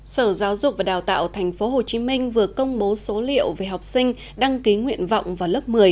sở giáo dục và đào tạo tp hcm vừa công bố số liệu về học sinh đăng ký nguyện vọng vào lớp một mươi